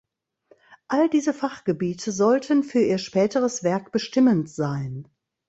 All diese Fachgebiete sollten für ihr späteres Werk bestimmend sein.